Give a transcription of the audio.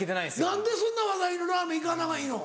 何でそんな話題のラーメン行かないの？